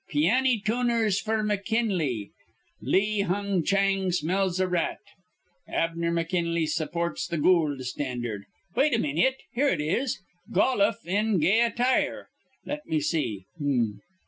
Pianny tuners f'r McKinley. Li Hung Chang smells a rat. Abner McKinley supports th' goold standard. Wait a minyit. Here it is: 'Goluf in gay attire.' Let me see. H'm.